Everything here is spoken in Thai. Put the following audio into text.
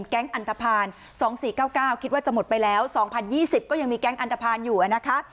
อันตภัณฑ์๒๔๙๙คิดว่าจะหมดไปแล้ว๒๐๒๐ก็ยังมีแก๊งอันตภัณฑ์อยู่นะคะ